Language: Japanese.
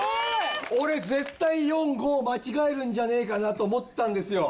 俺絶対４５間違えるんじゃねえかなと思ったんですよ。